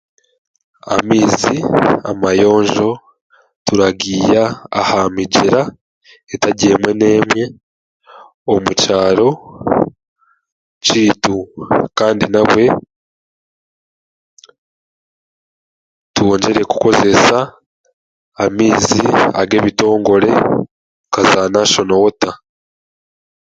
Amaizi amayonjo turagiha aha migyera etari emwe n'emwe omu kyaro kyeitu kandi nabwe twongyere kukozesa amaizi agebitongore nkaza nashonoro wota.